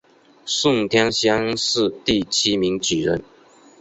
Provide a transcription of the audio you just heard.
顺天乡试第七名举人。